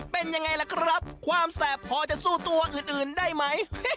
เป็นยังไงล่ะครับความแสบพอจะสู้ตัวอื่นได้ไหม